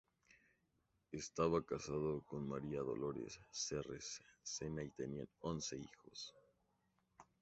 Estaba casado con María Dolores Serres Sena y tenía once hijos.